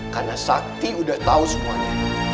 karena sakti udah tau semuanya